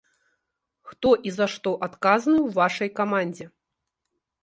Хто і за што адказны ў вашай камандзе?